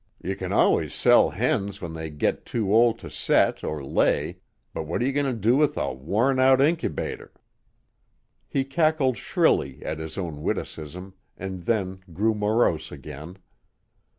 You can allus sell hens when they git too old to set or lay, but what're you going to do with a wore out incubator?" He cackled shrilly at his own witticism and then grew morose again.